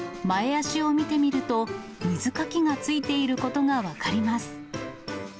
前足を見てみると、水かきがついていることが分かります。